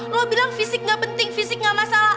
lo bilang fisik gak penting fisik gak masalah